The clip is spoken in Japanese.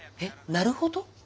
なるほど？